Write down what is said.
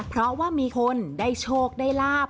เพราะว่ามีคนได้โชคได้ลาบ